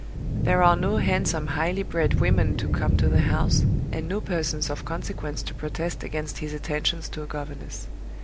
There are no handsome highly bred women to come to the house, and no persons of consequence to protest against his attentions to a governess.